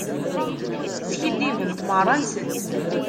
Skiddibent merra-nsent.